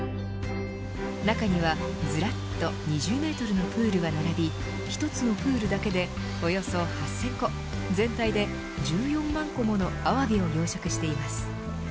中には、ずらっと２０メートルのプールが並び１つのプールだけでおよそ８０００個全体で１４万個ものアワビを養殖しています。